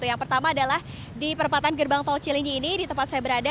yang pertama adalah di perbatasan gerbang tau cilenyi ini di tempat saya berada